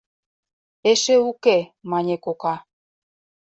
— Эше уке, — мане кока.